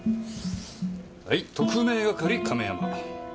はい特命係亀山。